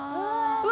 うわ！